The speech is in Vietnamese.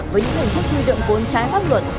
với những hình thức huy động vốn trái pháp luật